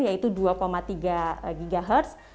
yaitu dua tiga ghz